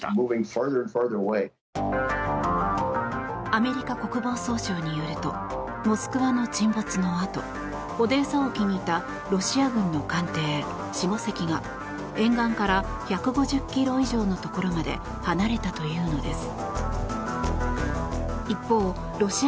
アメリカ国防総省によると「モスクワ」の沈没のあとオデーサ沖にいたロシア軍の艦艇４５隻が沿岸から１５０ｋｍ以上のところまで離れたというのです。